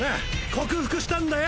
克服したんだよ！